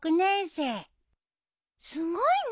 すごいね。